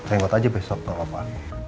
hangout aja besok gak apa apa